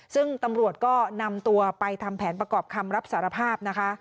ซึ่งตำรวจก็นำตัวไปทำแผนประกอบคำรับสารภาพนะคะ